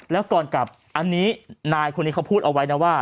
แล้วก่อนกลับอันนี้นายคนนี้เขาพูดเอาไว้นะว่า